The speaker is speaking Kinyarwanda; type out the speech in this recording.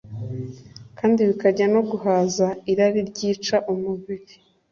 kandi bikajyana no guhaza irari ryica umubiri,